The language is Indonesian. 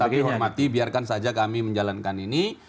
kami hormati biarkan saja kami menjalankan ini